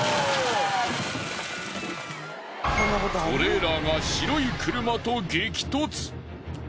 トレーラーが白い車と激突。